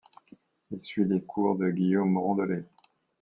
Il suit les cours de Guillaume Rondelet.